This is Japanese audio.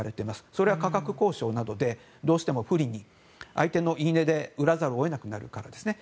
それは価格交渉などでどうしても不利に相手の言い値で売らざるを得なくなるからですね。